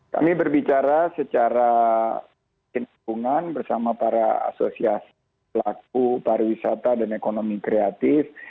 kami berbicara secara kena hubungan bersama para asosiasi pelaku pariwisata dan ekonomi kreatif